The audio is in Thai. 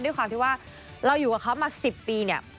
ด้วยความที่ว่าเราอยู่กับเขามา๑๐ปีเนี่ย